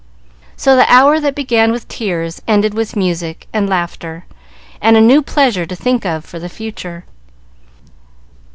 So the hour that began with tears ended with music and laughter, and a new pleasure to think of for the future.